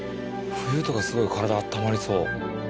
冬とかすごい体あったまりそう。